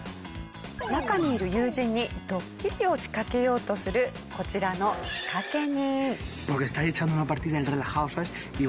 中にいる友人にドッキリを仕掛けようとするこちらの仕掛け人。